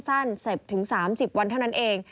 สั้นเสร็จถึง๓๐วันเท่านั้นเอง